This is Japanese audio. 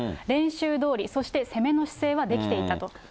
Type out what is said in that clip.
練習どおり、そして攻めの姿勢はできていたと。